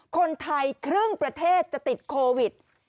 คนไทยครึ่งประเทศจะติดโควิด